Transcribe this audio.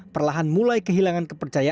perlahan mulai kehilangan kepercayaan